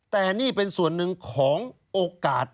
แต่นี่เป็นส่วนหนึ่งของโอกาส